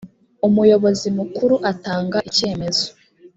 umuyobozi mukuru atanga icyemezo